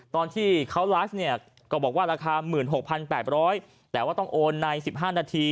ตอนที่เขาไลฟ์เนี่ยก็บอกว่าราคา๑๖๘๐๐แต่ว่าต้องโอนใน๑๕นาที